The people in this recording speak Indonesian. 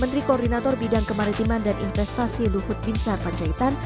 menteri komunikator bidang kemaritiman dan investasi luhut bin sar panjaitan